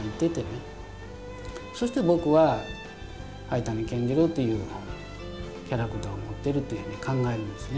そして僕は灰谷健次郎というキャラクターを持ってると考えるんですね。